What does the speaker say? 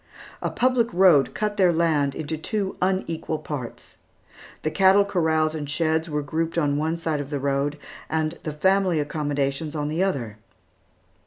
A public road cut their land into two unequal parts. The cattle corrals and sheds were grouped on one side of the road, and the family accommodations on the other.